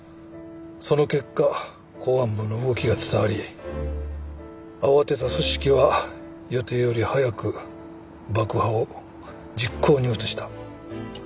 その結果公安部の動きが伝わり慌てた組織は予定より早く爆破を実行に移した。